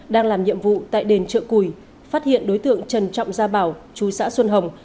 đang làm nhiệm vụ tại đền chợ cùi phát hiện đối tượng trần trọng gia bảo chú xã xuân hồng